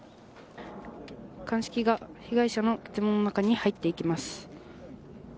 鑑識が被害者の自宅の中に入っていきます。